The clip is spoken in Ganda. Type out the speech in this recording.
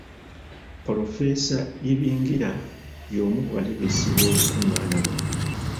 Polofeesa Ibingira y’omu ku bategesi b’olukungaana luno.